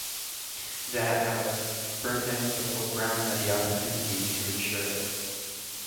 That, however, burned down before Brown had the opportunity to insure it.